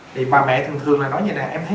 thì bà mẹ thường thường là nói như thế này